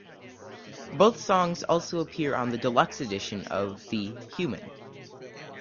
Both songs also appear on the deluxe edition of the "Human".